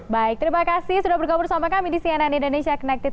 baik terima kasih sudah bergabung bersama kami di cnn indonesia connected